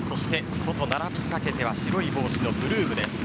外、並びかけたのは白い帽子のブルームです。